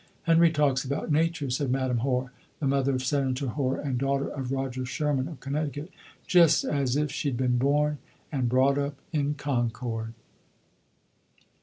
"Henry talks about Nature," said Madam Hoar (the mother of Senator Hoar, and daughter of Roger Sherman of Connecticut), "just as if she'd been born and brought up in Concord."